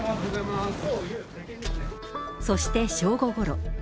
そして正午ごろ。